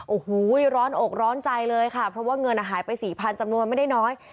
โอ้โหร้อนอกร้อนใจเลยค่ะเพราะว่าเงินหายไป๔๐๐จำนวนไม่ได้น้อย